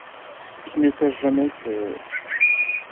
Qu’il ne sache jamais que…